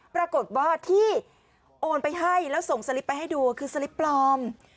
ปรากฏว่าที่โอนไปให้แล้วส่งสลิปไปให้ดูคือสลิปปลอม